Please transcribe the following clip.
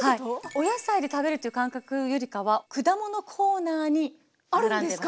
お野菜で食べるっていう感覚よりかは果物コーナーに並んでます。